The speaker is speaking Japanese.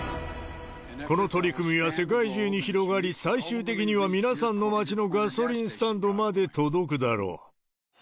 この取り組みは世界中に広がり、最終的には皆さんの街のガソリンスタンドまで届くだろう。